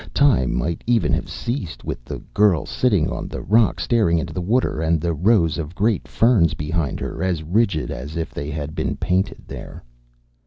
Time might even have ceased, with the girl sitting on the rock staring into the water, and the rows of great ferns behind her, as rigid as if they had been painted there.